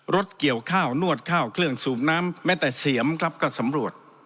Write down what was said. เกี่ยวข้าวนวดข้าวเครื่องสูบน้ำแม้แต่เสียมครับก็สำรวจ